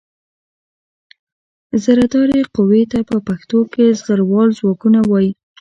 زرهدارې قوې ته په پښتو کې زغروال ځواکونه وايي.